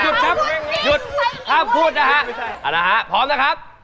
ครับหยุดห้ามพูดนะฮะไม่ใช่เอาละฮะพร้อมนะครับ